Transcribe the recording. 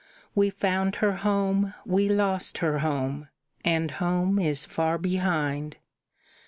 We found her home, we lost her home, and home is far behind.